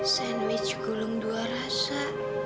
sandwich gulung dua rasa